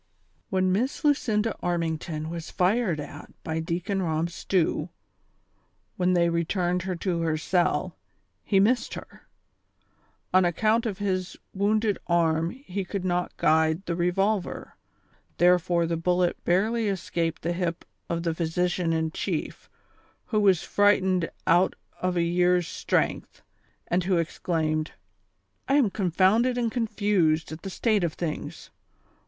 jtHEX Miss Lucinda Armington was fired at by Deacon Rob Stew, when they returned her to her cell, he missed her ; on account of his wounded arm he could not guide the revolver, therefore the bullet barely escaped the hip of the physi cian in chief, who was frightened out of a year's strength, and who exclaimed :" I am confomided and confused at the state of things.